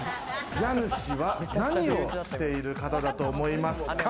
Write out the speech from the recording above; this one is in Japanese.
家主は何をしてる方だと思いますか？